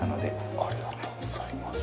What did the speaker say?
ありがとうございます。